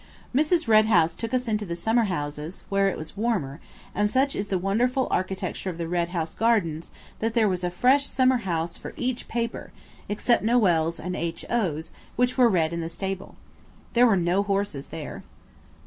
Mrs. Red House took us into the summer houses, where it was warmer, and such is the wonderful architecture of the Red House gardens that there was a fresh summer house for each paper, except Noël's and H.O.'s, which were read in the stable. There were no horses there.